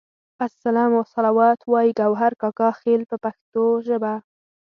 السلام والصلوات وایي ګوهر کاکا خیل په پښتو ژبه.